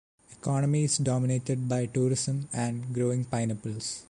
Economy is dominated by tourism and growing pineapples.